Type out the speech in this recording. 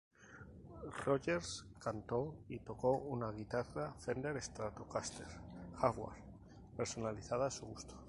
Rodgers cantó y tocó con una guitarra Fender Stratocaster Jaguar personalizada a su gusto.